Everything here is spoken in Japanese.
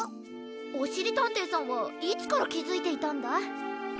おしりたんていさんはいつからきづいていたんだ？